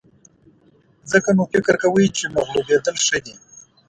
ځکه نو فکر کوئ چې مغلوبېدل ښه دي.